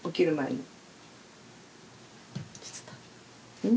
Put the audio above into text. うん。